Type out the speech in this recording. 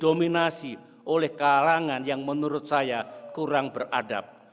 dominasi oleh kalangan yang menurut saya kurang beradab